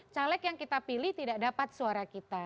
caleg yang kita pilih tidak dapat suara kita